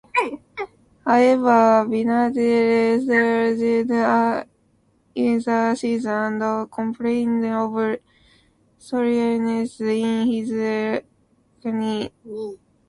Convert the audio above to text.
However, Vinatieri struggled early in the season and complained of soreness in his knee.